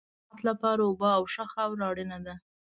د زراعت لپاره اوبه او ښه خاوره اړینه ده.